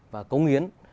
và cống hiến